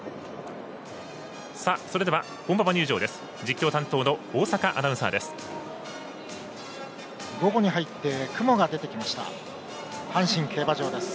それでは本馬場入場です。